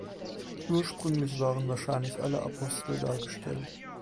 Ursprünglich waren wahrscheinlich alle Apostel dargestellt.